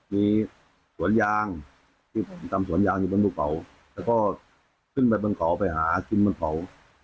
มีสวนยางที่ผมทำสวนยางอยู่บนภูเขาแล้วก็ขึ้นไปบนเขาไปหากินบนเขา